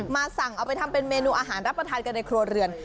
มาสั่งเอาไปทำเป็นเมนูอาหารรับประทานกันในครัวเรือน